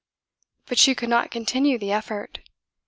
But she could not continue the effort.